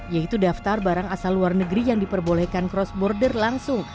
yaitu daftar barang asal luar negeri yang diperbolehkan cross border langsung